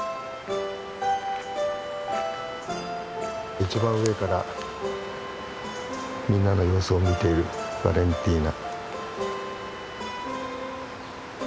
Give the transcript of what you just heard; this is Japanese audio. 一番上からみんなの様子を見ているバレンティーナ。